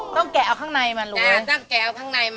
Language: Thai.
ต้องแกะเอาข้างในมันหรือไง